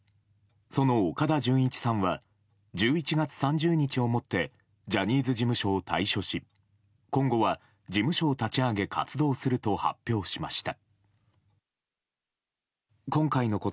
その岡田准一さんは１１月３０日をもってジャニーズ事務所を退所し今後は、事務所を立ち上げ活動すると発表しました。